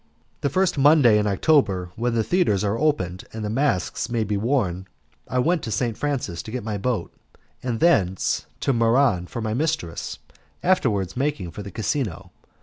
The first Monday in October, when the theatres are opened and masks may be worn, I went to St. Francis to get my boat, and thence to Muran for my mistress, afterwards making for the casino.